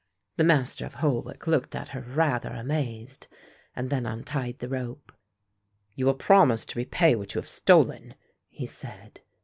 The Master of Holwick looked at her rather amazed and then untied the rope. "You will promise to repay what you have stolen," he said.